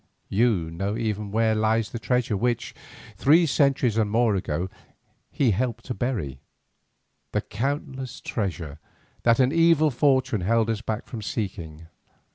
You know even where lies the treasure which, three centuries and more ago, he helped to bury, the countless treasure that an evil fortune held us back from seeking.